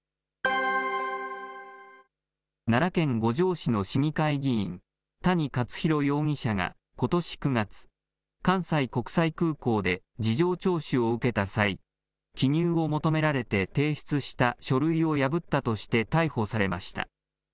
奈良県五條市の市議会議員、谷勝啓容疑者がことし９月、関西国際空港で事情聴取を受けた際、記入を求められて提出した書類を破ったとして逮捕されました。